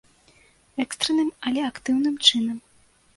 Экстранным, але актыўным чынам.